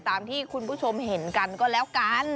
ตามที่คุณผู้ชมเห็นกันก็แล้วกัน